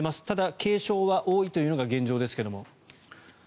ただ、軽症は多いというのが現状ですけれど。